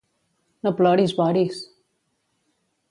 No ploris, Boris!